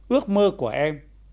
ước mơ của em